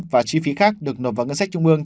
và chi phí khác được nộp vào ngân sách trung ương